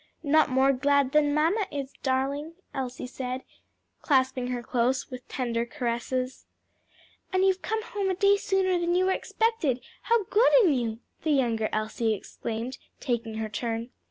"Not more glad than mamma is, darling," Elsie said, clasping her close with tender caresses. "And you've come home a day sooner than you were expected! how good in you!" the younger Elsie exclaimed, taking her turn.